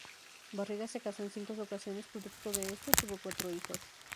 Barriga se casó en cinco ocasiones, producto de esto tuvo cuatro hijos.